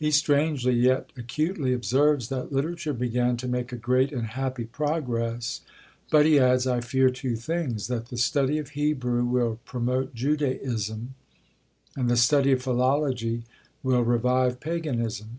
He strangely, yet acutely observes, that "literature began to make a great and happy progress; but," he adds, "I fear two things that the study of Hebrew will promote Judaism, and the study of philology will revive PAGANISM."